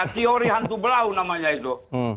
teori hantu belau namanya itu